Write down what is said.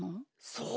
そう。